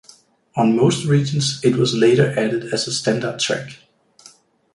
On most regions it was later added as a standard track.